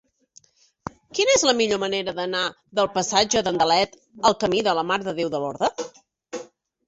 Quina és la millor manera d'anar del passatge d'Andalet al camí de la Mare de Déu de Lorda?